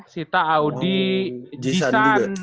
sita audi g san